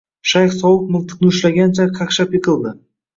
Shayx sovuq miltiqni ushlagancha, qaqshab yiqildi